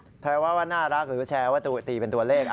แปลว่าน่ารักหรือแชร์ว่าตีเป็นตัวเลข